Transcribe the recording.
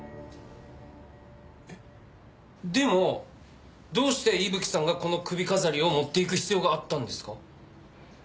えっでもどうして伊吹さんがこの首飾りを持っていく必要があったんですか？